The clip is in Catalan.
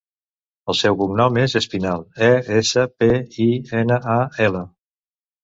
El seu cognom és Espinal: e, essa, pe, i, ena, a, ela.